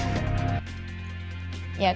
bersama b a cukai